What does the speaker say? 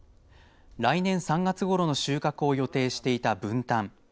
来年３月ごろの収穫を予定していた、ぶんたん。